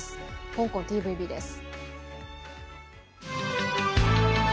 香港ＴＶＢです。